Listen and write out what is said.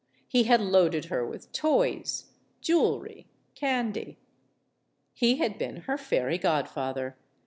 He had loaded her with toys, jewelry, candy. He had been her fairy godfather.